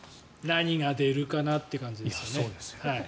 何が出るかなって感じですよね。